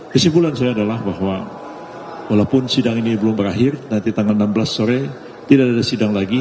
kesimpulan saya adalah bahwa walaupun sidang ini belum berakhir nanti tanggal enam belas sore tidak ada sidang lagi